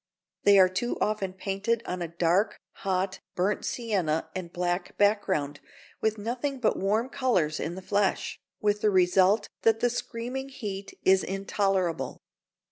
They are too often painted on a dark, hot, burnt sienna and black background, with nothing but warm colours in the flesh, &c., with the result that the screaming heat is intolerable.